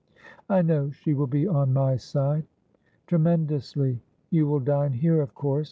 ' I know she will be on my side.' ' Tremendously. You will dine here, of course.